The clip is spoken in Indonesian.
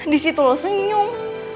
disitu lo senyum